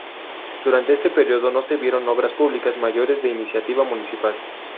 Durante este período no se vieron obras públicas mayores de iniciativa municipal.